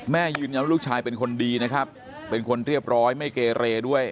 ยืนยันว่าลูกชายเป็นคนดีนะครับเป็นคนเรียบร้อยไม่เกเรด้วย